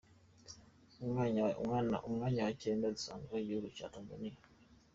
Umwanya wa cyenda dusangaho igihugu cya Tanzania.